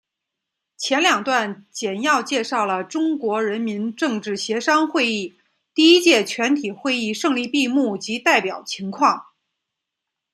前两段简要介绍了中国人民政治协商会议第一届全体会议胜利闭幕及代表情况。